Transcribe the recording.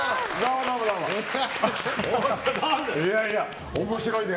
いやいや、面白いね！